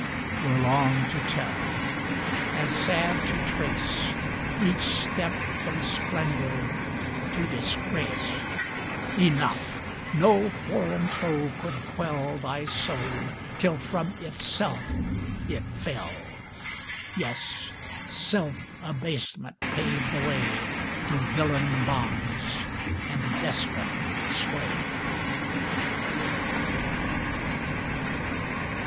'Twere long to tell, and sad to trace, Each step from splendor to disgrace: Enough no foreign foe could quell Thy soul, till from itself it fell; Yes! self abasement paved the way To villain bonds and despot sway.